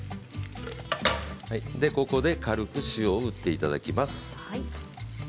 ここで軽く塩を振っていただきます。